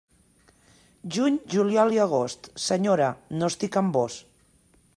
Juny, juliol i agost, senyora, no estic amb vós.